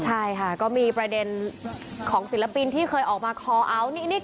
ใช่ค่ะก็มีประเด็นของศิลปินที่เคยออกมาคอเอาท์